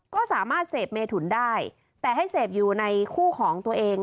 ก็สามารถเสพเมถุนได้แต่ให้เสพอยู่ในคู่ของตัวเอง